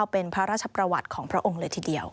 เป็นพระราชประวัติของพระองค์เลยทีเดียว